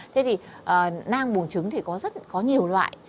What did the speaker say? thế thì nang bùng trứng thì có nhiều loại